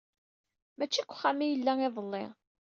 Maci deg uxxam ay yella iḍelli.